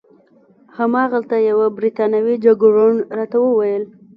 هماغلته یوه بریتانوي جګړن راته وویل.